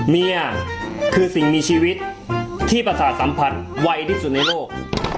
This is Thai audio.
เมียคือสิ่งมีชีวิตที่ปรัสสาสัมผัสวัยดิบสุดในโลก